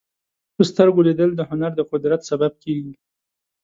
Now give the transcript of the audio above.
په سترګو لیدل د هنر د قدر سبب کېږي